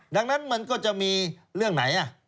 ดังนั้นมันก็จะมีเรื่องไหน